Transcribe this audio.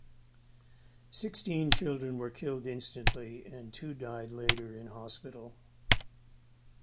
Sixteen children were killed instantly and two died later in hospital.